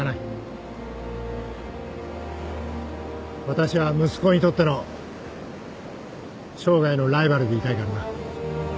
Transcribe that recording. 私は息子にとっての生涯のライバルでいたいからな。